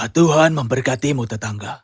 tuhan memberkatimu tetangga